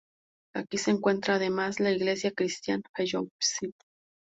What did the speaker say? Aquí se encuentra además la Iglesia "Cristian Fellowship".